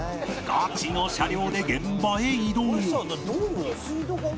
ガチの車両で現場へ移動